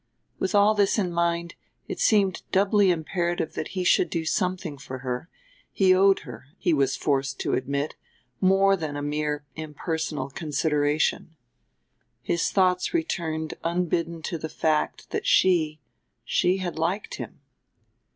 With all this in his mind it seemed doubly imperative that he should do something for her; he owed her, he was forced to admit, more than a mere impersonal consideration. His thoughts returned unbidden to the fact that she she had liked him.